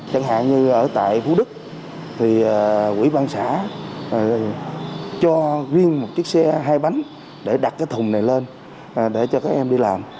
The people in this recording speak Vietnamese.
chẳng hạn như ở tại phú đức thì quỹ ban xã cho riêng một chiếc xe hai bánh để đặt cái thùng này lên để cho các em đi làm